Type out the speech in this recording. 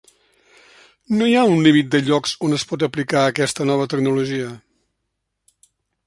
No hi ha un límit de llocs on es pot aplicar aquesta nova tecnologia.